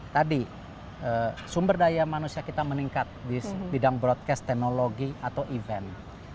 tadi sumber daya manusia kita meningkat di bidang broadcast teknologi atau event